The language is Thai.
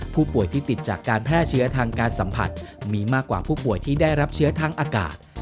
ผู้ป่วยที่ติดจากการแพร่เชื้อทางการสัมผัสมีมากกว่าผู้ป่วยที่ได้รับเชื้อทั้งอากาศ